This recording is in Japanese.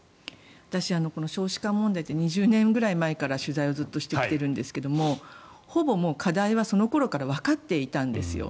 私、少子化問題って２０年ぐらい前から取材をずっとしてきているんですがほぼ課題はその頃からわかっていたんですよ。